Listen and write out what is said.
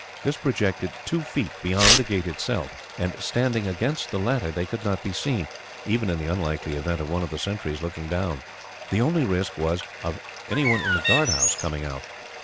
This projected two feet beyond the gate itself, and standing against the latter they could not be seen, even in the unlikely event of one of the sentries looking down. The only risk was of anyone in the guard house coming out.